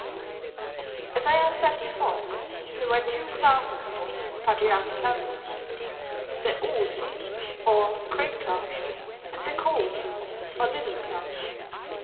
As I have said before, there were two classes of these patriarchal families: the O uji, or Great Clans; and the Ko uji, or Little Clans.